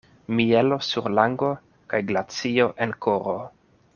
Mielo sur lango, kaj glacio en koro.